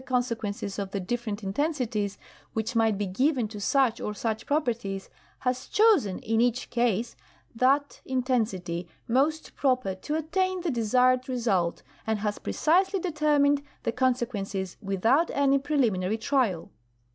consequences of the different intensities which might be given to such or such properties, has chosen in each case that intensity most proper to attain the desired result and has precisely determined the conse quences without any preliminary trial.